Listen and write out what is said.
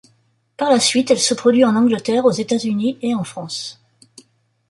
Par la suite, elle se produit en Angleterre, aux États-Unis et en France.